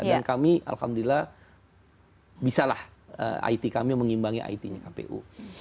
dan kami alhamdulillah bisa lah it kami mengimbangi it kpu